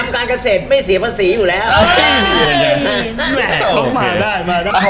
คำการเกษตรไม่เสียภาษีอยู่แล้วเอ้ยโอเคมาได้มาได้